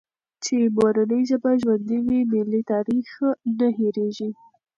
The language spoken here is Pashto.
چي مورنۍ ژبه ژوندۍ وي، ملي تاریخ نه هېرېږي.